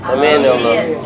amin ya allah